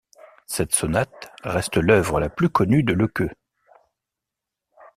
Cette sonate reste l'œuvre la plus connue de Lekeu.